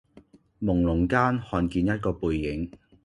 濛朧間看見一個背影